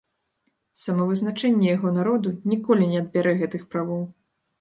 Самавызначэнне яго народу ніколі не адбярэ гэтых правоў!